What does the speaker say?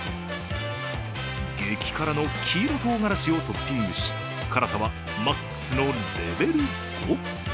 激辛の黄色とうがらしをトッピングし、辛さはマックスのレベル５。